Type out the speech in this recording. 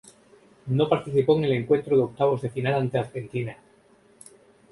No participó en el encuentro de octavos de final ante Argentina.